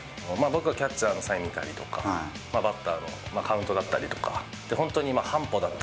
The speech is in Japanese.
僕はキャッチャーのサイン見たりとか、バッターのカウントだったりとか。